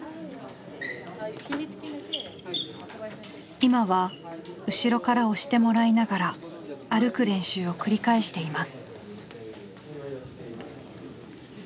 今は後ろから押してもらいながら歩く練習を繰り返しています。